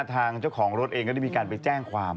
ทางเจ้าของรถเองก็ได้มีการไปแจ้งความ